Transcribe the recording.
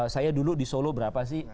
saya dulu di solo berapa sih